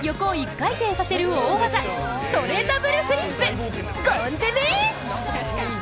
回転させる大技トレダブルフリップ、ゴン攻め！